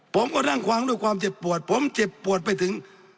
ผมก็นั่งความเจ็บปวดผมเจ็บปวดไปถึง